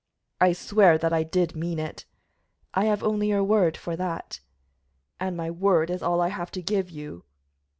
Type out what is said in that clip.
"I swear that I did mean it." "I have only your word for that." "And my word is all I have to give you."